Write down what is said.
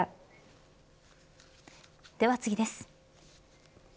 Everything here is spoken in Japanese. では次です。